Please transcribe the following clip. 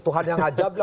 tuhan yang ajar